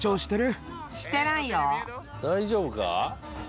大丈夫か？